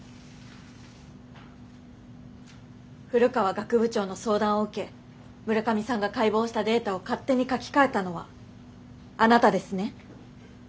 古川学部長の相談を受け村上さんが解剖したデータを勝手に書き換えたのはあなたですね？